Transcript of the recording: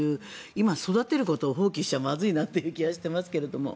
今、育てることを放棄してはまずいなという気がしていますが。